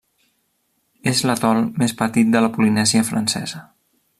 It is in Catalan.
És l'atol més petit de la Polinèsia Francesa.